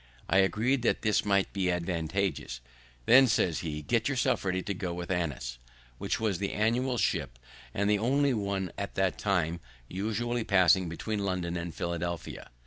I agreed that this might be advantageous. "Then," says he, "get yourself ready to go with Annis;" which was the annual ship, and the only one at that time usually passing between London and Philadelphia.